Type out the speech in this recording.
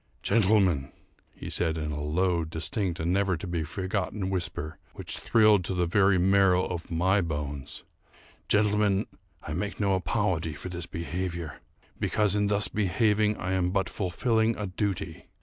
"Gentlemen," he said, in a low, distinct, and never to be forgotten whisper which thrilled to the very marrow of my bones, "Gentlemen, I make no apology for this behaviour, because in thus behaving, I am but fulfilling a duty.